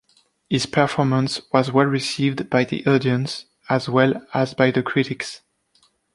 His performance was well received by the audience, as well as by the critics.